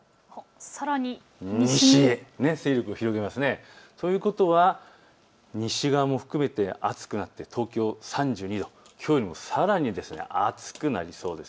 さらに西へということは西側も含めて暑くなって東京３２度、きょうよりもさらに暑くなりそうです。